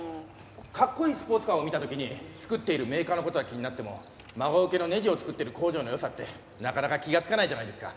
かっこいいスポーツカーを見た時に作っているメーカーの事は気になっても孫請けのネジを作ってる工場の良さってなかなか気がつかないじゃないですか。